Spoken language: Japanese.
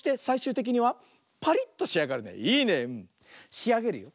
しあげるよ。